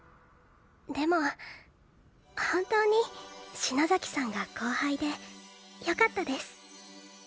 でも本当に篠崎さんが後輩でよかったです。